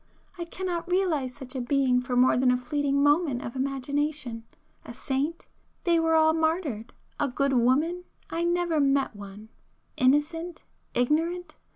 I cannot realize such a being for more than a fleeting moment of imagination. A saint? They were all martyred. A good woman? I never met one. Innocent?—ignorant?